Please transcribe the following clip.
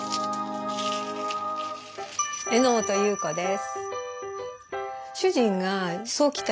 榎本裕子です。